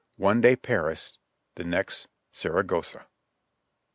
One day — Paris ; the next — Sarragossa.